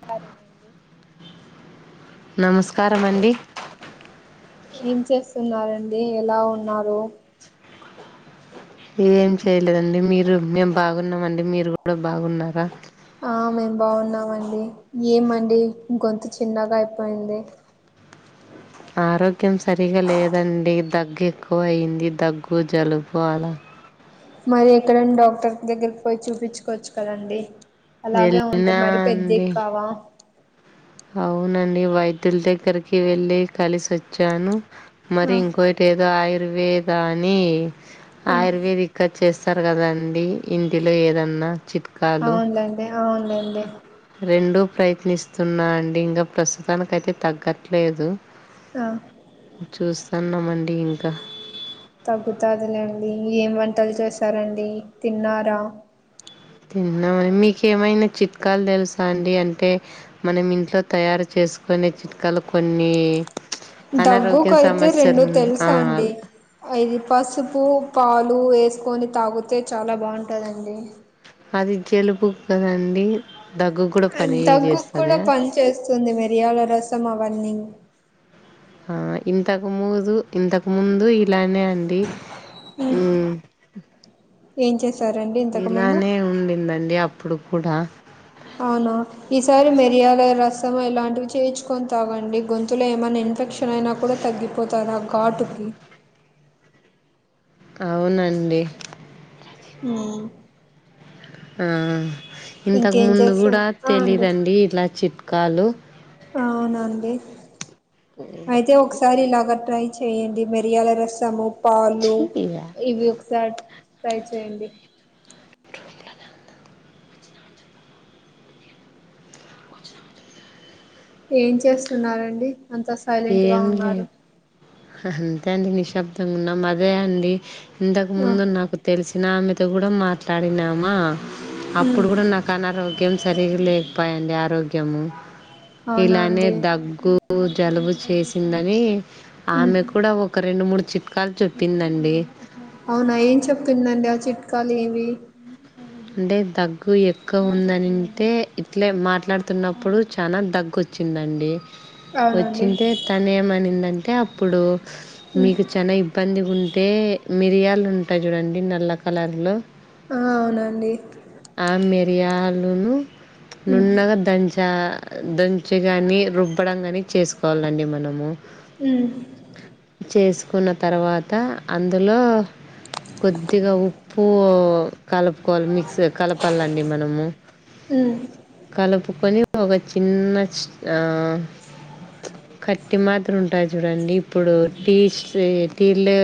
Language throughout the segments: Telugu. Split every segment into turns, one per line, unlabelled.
సరెనండి
నమస్కారం అండి
ఏం చేస్తున్నారండి ఎలా ఉన్నారు
ఏం చేయలేదండి మీరు మేము బాగున్నామండి, మీరు కూడా బాగున్నారా?
ఆ మేము బాగున్నామండి ఏమండి గొంతు చిన్నగా అయిపోయింది
ఆరోగ్యం సరిగా లేదండి దగ్గు ఎక్కువయ్యింది దగ్గు జలుబు అలా
మరి ఎక్కడైనా డాక్టర్ కు దగ్గరకి పోయి చూపించుకోవచ్చు కదండి అలాగే ఉంటే
వెళ్ళినా
మరి పెద్ది
అండి
కావా
అవునండి వైద్యుల దగ్గరికి వెళ్ళి కలిసి వచ్చాను మరి
ఆ
ఇంకవ ఏదో ఆయుర్వేద అని
ఆ
ఆయుర్వేదిక్ కట్ చేస్తారు కదాండి ఇంటిలో ఏదన్నా చిట్కాలు
అవునులేండి అవునులేండి
రెండూ ప్రయత్నిస్తున్నా అండి ఇంకా ప్రస్తుతానికి అయితే తగ్గట్లేదు
ఆ
చూస్తున్నమండి ఇంకా
తగ్గుతాదిలేండి ఏం వంటలు చేసారండి తిన్నారా
తిన్నామండి మీకు ఏమైనా చిట్కాలు తెలుసా అండి అంటే మనం ఇంట్లో తయారు చేసుకోనీ చిట్కాలు కొన్ని
దగ్గు
అనారోగ్య
కైతే
సమస్యలు
రెండు
ఉన్ ఆ
తెలుసు అండి ఇది పసుపు పాలు వేసుకొని తాగితే చాలా బాగుంటదండి
అది జలుబుకి కదండి దగ్గు కూడా
ఆ
పని
దగ్గుక్కూడా
చేస్తదా
పనిచేస్తుంది మిరియాల రసం అవన్నీ
ఆ ఇంతకు మూజు ఇంతకు ముందు ఇలానే అండి
ఏం చేశారంండి
ఇలానే ఉండిదండి అప్పుడు కూడా
అవునా ఈసారి మిరియాల రసం ఇలాంటివి చేర్చుకొని తాగండి గొంతులో ఏమైన్నా ఇన్ఫెక్ష అయినా కూడా తగ్గిపోతాది ఆ ఘాటుకి
అవునండి
హ్మ్
ఆ ఇంతకు
ఇంకేం
ముందు
చేస్తారు
కూడా
ఆ అండి
తెలీదండి ఇట్లా చిట్కాలు
అవునండి అయితే ఒక స ఒకసారి ఇలాగ ట్రై చేయండి మిరియాల రసము పాలు
చీ
ఇవి ఒకసారి ట్రై చేయండి ఏం చేస్తున్నారండి అంతా సైలెంట్ గా
ఏం
ఉన్నారు
లేదు అంతే అండి నిశ్శబ్దంగున్నాం అదే అండి
ఆ
ఇంతకుముందు నాకు తెలిసినామెతో కూడా మాట్లాడినామా అప్పుడు
ఉమ్
కూడా నాకనారోగ్ కేం సరిగ్గా లేక పాయండి ఆరోగ్యము
అవునా
ఇలానే
అండి
దగ్గు కు జలుబు చేసిందని ఆమె కూడా ఒక్ క్క రెండు మూడు చిట్కాలు చొప్పిందండి
అవునా ఏం చెప్పిందండి ఆ చిట్కాలు ఏవి
అంటే దగ్గు ఎక్కువ ఉందనింటే ఇట్లే మాట్లాడుతున్నప్పుడు చానా దగ్గోచ్ చిందండి
అవునండి
వచ్చింటే తనేమనిందంటే అప్పుడు మీకు చానా ఇబ్ పందిగుంటే మిరియాలు ఉంటయి చూడండి నల్ల కలర్లో
ఆ అవునండి
ఆ మిరియాలును
ఉమ్,
నున్నగా దంచా దంచి కానీ రుబ్బడం కానీ చేసుకోవాలండి మనము
మ్
చేసుకున్న తర్వాత అందులో కొద్దిగా ఉప్పు కలుపుకోవాలి మిక్సర్ కలపాలండి మనము
ఉమ్,
కలుపుకొని ఒక చిన్న ఆ కట్టి మాత్ర ఉ టాయి చూడండి ఇప్పుడు టీ స్ట్రీ టిలో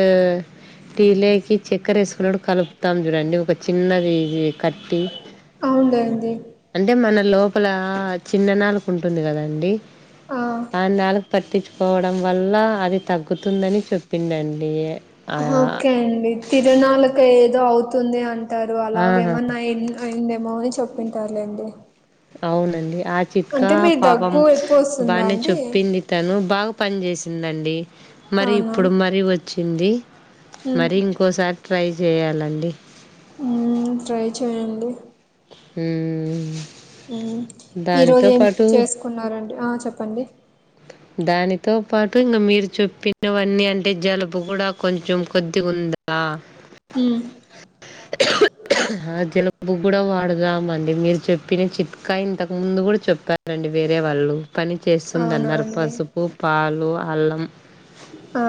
టీలేకి చెక్కరేసుకున్నపుడు కలుపుతాం చూడండి ఒక చిన్నది ఇది కట్టి
అవున్లెండి
అంటే మన లోపల చిన్న నాలుక ఉంటుంది కదండి ఆ నాలుక పట్టిచ్ కోవడం వల్ల అది తగ్గుతుందని చెప్పిందండి యే
ఓకే అండి తిరణాలకేదో అవుతుంది అంటారు
ఆహా,
అలాగేమన్నా అయింద్ అయిందేమో అని చెప్పింటారులేండి
అవునండి ఆ చిట్కా
అంటే మీ
పాపం
దగ్గు ఎక్కువ వస్తుందా
బానే
అండి
చోప్పింది తను బాగా పనిచేసిందండి మరి
అవునా
ఇప్పుడు మరి ఒచ్చింది
ఉమ్,
మరి ఇంకోసారి ట్రై చేయాలండి
మ్ ట్రై చేయండి
మ్
ఉమ్ ఈరోజ ఏం చేసుకున్నారండి ఆ చెప్పండి
దానితో పాటు ఇంగ మీరు చెప్పినవన్నీ అంటే జలుబు గూడ కొంచెం కొద్దిగుంద ఆ
హు
ఆ జలుబుగ్గూడ వాడద్ దామండి మీరు చెప్పిన చిట్క ఇంతకు ముందు గూడ చెప్పారండి వేరే వాళ్ళు పని
అవునా
చేస్తుందన్నరు
అండి
పసుపు, పాలు, అల్లం
ఆ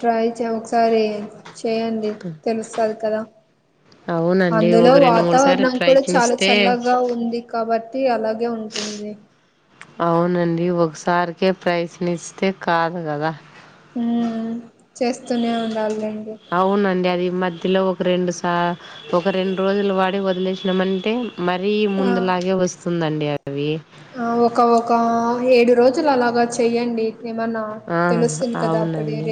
ట్రై చే ఒకసారి చేయండి తెలుస్తది కదా
అవునండి ఒక
అందులో
రెండు మూడు సార్లు
వాతావరణం కూడ చాలా
ప్రయత్నిస్తే
చల్లగా ఉంది కాబట్టి అలాగే ఉంటుంది
అవునండి ఒకసారికే ప్రైజ్ లిస్తే కాదు కదా
ఊమ్ చేస్తూనే ఉండాలేండి
అవునండి అది మధ్యలోక్ రెండు సా ఒక రెండు రోజులు వాడి వదిలేసినమంటే మరీ
ఆ
ముందులాగే వస్ స్తుందండి అవి
ఆ ఒక ఒకా ఏడు రోజులు అలాగ చెయ్యండి ఏమన్న
ఆహ్ అవునండి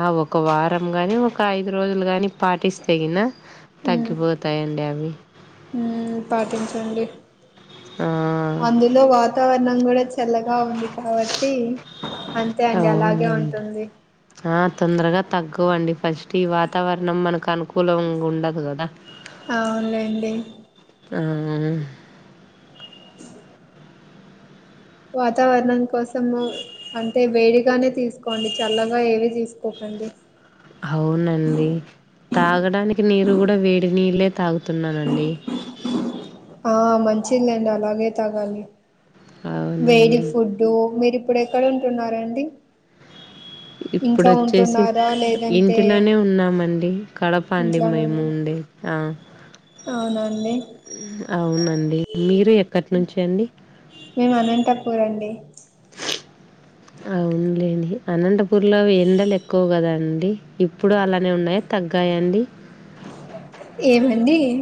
ఆ ఒక వారం గనీ ఒక ఐదు రోజులు గనీ పాటిస్తేగినా
ఉమ్
తగ్గిపోతాయండి అవి
ఉమ్ పాటించండి
ఆ!
అందులో వాతావరణం గుడ చ్ చల్లగా ఉంది కాబట్టి అంతే అండి అలాగే
అవునండి.
ఉంటుంది
ఆ తొందరగ తగ్గవండి ఫస్ట్ ఈ వాతావరణం మనకు అనుక్ కులంగ ఉండదు గదా
అవున్లెండి
ఆ
వాతావరణం కోసము అంటే వేడిగానే తీసుకోండి చల్లగ ఏవి తీసుకోకండి
అవునండి తాగడానికి నీరు గుడ వేడి నీళ్లే తాగుతున్నానండి
ఆ మంచిదిలేండి అలాగే తాగాలి వేడి
అవునండి.
ఫుడ్ డు మీరిప్పుడు ఎక్కడ ఉంటున్నరండి
ఇప్పుడోచ్చేసి
ఉంటున్నారా లేదంటే
ఇంటిలనే ఉన్నామండి కడప అండి మేము ఉండే ఆ
అవునా అండి
అవునండి మీరు ఎక్కటి నుంచి అండి
మేము అనంతపూర్ అండి
అవునులెండి అనంతపూర్లవి ఎండలు ఎక్కువ కధండి ఇప్ ఇప్పుడు అలానే ఉన్నాయ తగ్గాయ అండి
ఏమండి ఎ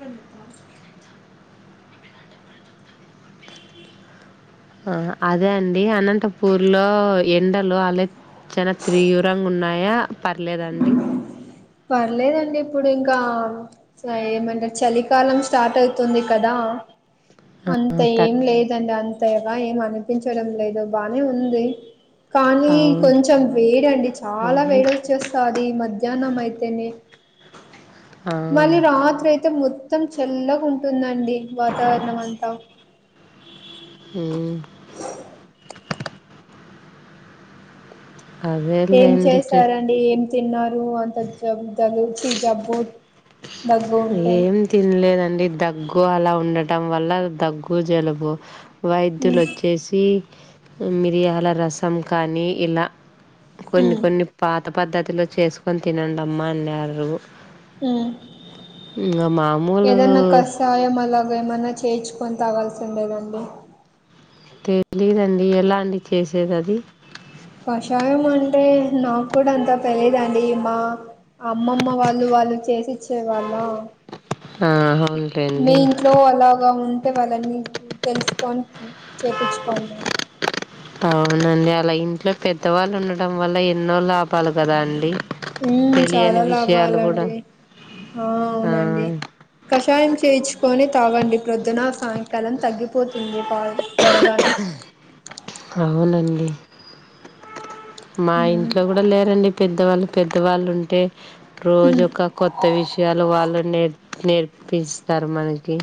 అ ఆ అదే అండి అనంతపూర్లో ఎండలు అలె చాన త్రియురంగ ఉన్నాయా పర్లేదాండి
పర్లేదండి ఇప్పుడు ఇంకా స ఏమన్న చలికాలం స్టార్ట్ అవుతుంది కదా
ఆ,
అంత ఏం
తగ్
లేదండి అంతె గద ఏం అనిపించడం లేదు బానే ఉంది కానీ
అవును
కొంచెం వేడండి చాలా వేడి ఒచ్చేస్త్ ది మధ్యానం అయితేనే
ఆ,
మళ్ళీ రాత్రి అయితే మొ త్తం చల్లగా ఉంటుందండి వాతావరణం అంతా
ఉమ్మ్
ఏం
అదేలేండి
చేశారండీ ఏం తిన్నారు అంత జల్ చి [inaudible] జబ్బు దగ్గు ఉంటే
ఏం తినలేదండి దగ్గు అలా ఉండటం వల్ల దగ్గు జలుబు
మ్
వైద్యులు వచ్చేసి మిరియాల రసం కానీ ఇలా కొన్ని
మ్
కొన్ని పాత పద్ధతిలో చేసుకొని తినండమ్మా అన్నారు
ఉమ్మ్
ఇంగ మామూలు
ఏదన్నా కస్ యం అలాగ ఏమన్నా చేయించుకొని తాగాల్సి ఉండేదండి
తెలీదండి ఎలా అండి చేసేదది
కషాయం అంటే నాకు కూడా అంతా తెలిదండి మా అమ్మమ్మ వాళ్ళు వాళ్ళు చేసిచ్చే వాళ్ళ
ఆహా అవును
మీ ఇంట్లో అలాగా ఉంటె వాళ్ళని తెలుసుకొని చేపించుకోండి
అవునండి అలా ఇంట్లో పెద్దవాళ్ళు ఉండడం వల్ల ఎన్నో లాభా లు కదా అండి
ఉమ్ చాలా
తెలియని విషయాలు కూడా
లాభాలండి ఆ అవునండి కషాయం చేయించుకొని తాగండి ప్రొద్దున సాయంకాలం తగ్గిపోతుంది పా త్వరగానే
అవునండి మా
ఉమ్,
ఇంట్లో కూడా లేరండి పెద్దవాళ్ళు పెద్దవాళ్ళు ఉంటే రోజు ఒక కొత్త విషయాలు వాళ్ళు నేర్ నేర్పిస్తారు మనకి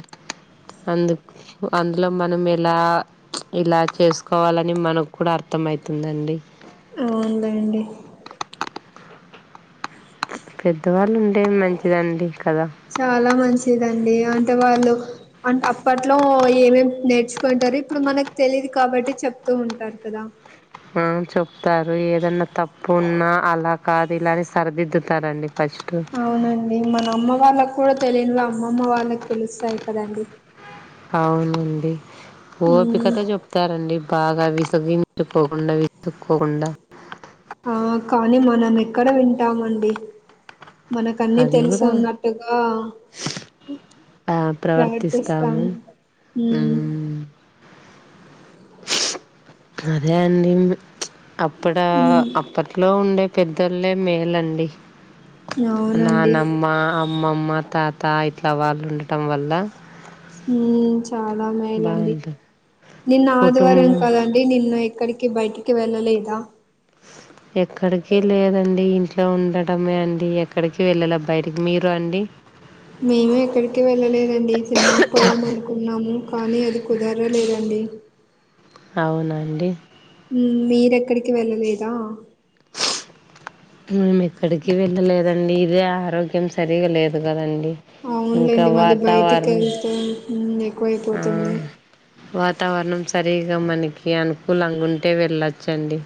అందుకు అందులో మనం ఎలా ఇలా చేసుకోవాలని మనకు కూడా అర్థంమయితుందండి
అవునులేండి
పెద్దవాళ్ళు ఉండేది మంచిదండి కదా
చాలా మంచిదండి అంటే వాళ్ళు అ అప్పట్లో ఏమేం నేర్చుకోయింటారు ఇప్పుడు మనకు తెలిదు కాబట్టి చెప్తూ ఉంటారు కదా
అవును చెప్తారు ఏదన్నా తప్పు ఉన్న అలా కాదు ఇలాని సరిదిద్దుతారండి ఫస్ట్
అవునండి మన అమ్మ వాళ్ళకు కూడా తెలియనివి అమ్మమ్మ వాళ్ళకి తెలుస్తాయి కదండి
అవునండి
ఉమ్
ఓపికతో చెప్తారండి బాగా విసగించుకోకుండా విసుకోకుండా
ఆ కానీ మనం ఎక్కడ వింటామండి మనకన్నీ
అది
తెలుసు
కూడా
ఉన్నట్టుగా
ఆ
ప్రవర్తిస్తాం
ప్రవర్తిస్తాము
ఉమ్మ్
హ్మ్ అదే అండి అప్పుడా అప్ అప్పట్లో ఉండే పెద్దొలే మేలండి
అవునండి
నానమ్మ అమ్మమ్మ తాత ఇట్లా వాళ్ళు ఉండటం వల్ల
ఉమ్మ్ చాలా మెలండి
బాగుంటది
నిన్న ఆదివారం
కుటుంబం
కదం డి నిన్న ఎక్కడికి బయటికి వెళ్ళలేదా
ఎక్కడికి లేదండి ఇంట్లో ఉండటమే అండి ఎక్కడికి వెళ్ళాల బయటకి మీరు అండి
మేము ఎక్కడికి వెళ్ళలేదండి సినిమాకి పోదామనుకున్నాము కానీ అది కుదరలేదండి
అవునండి
ఉమ్మ్ మీరెక్కడికి వెళ్ళలేదా
మేము ఎక్కడికి వెళ్ళలేదండి ఇదే ఆరోగ్యం సరిగా లేదు గదండి
అవునులేండి మళ్ళీ బయటికి ఏళ్తే
ఆ
ఎక్కువయిపోతుంది
వాతావరణం సరిగా మనకి అనుకూలంగా ఉంటే వెళ్ళోచ్చండి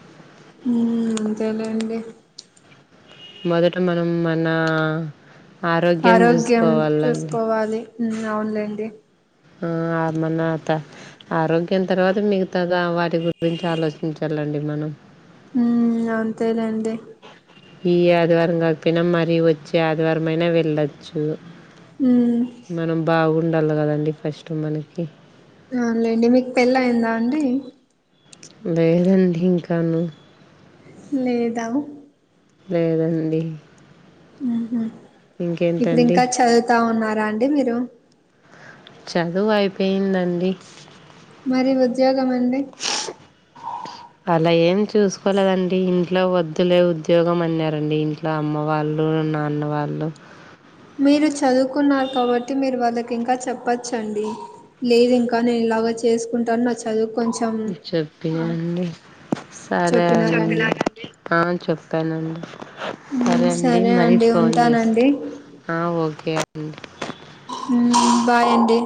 మ్మ్ అంతేలేండి
మొదట మనం మనా
ఆరోగ్యం చూసుకోవాలి మ్ అవునులేండి
ఆ అమర్నాతా ఆరోగ్యం తర్వాత మిగతా వాటి గురించి ఆలోచించాలండి మనం
మ్మ్ అంతేలేండి
ఈ ఆదివారం కాకపోయినా మరీ వచ్చే ఆదివారం అయినా వెళ్ళోచ్చు
మ్
మనం బాగుండాల గదండీ ఫస్ట్ మనకి
అవునులేండి మీకు పెళ్ళి అయిందా అండి
లేదండి ఇంకాను
లేదా
లేదండి
ఉహు ఇప్పుడు
ఇంకేంటండి
ఇంకా చదువుతా ఉన్నారా అండి మీరు
చదువైపోయిందండి
మరి ఉద్యోగం అండి
అలా ఏం చూసుకోలేదండి ఇంట్లో వద్దులే ఉద్యోగం అన్నారండి ఇం నా అమ్మ వాళ్ళు నాన్న వాళ్ళు
మీరు చదువుకున్నారు కాబట్టి మీరు వాళ్ళకింకా చెప్పచ్చండి లేదు ఇంకా నేను ఇలాగ చేసుకుంటాను నాక్ చదువుకో
చెప్పినాండి సరే అండి
చెప్పినారండి
ఆ చెప్తనండి సరే అండి మరీ ఫోన్ జేస్తా ఆ ఓకే అండి
మ్మ్ బాయ్ అండి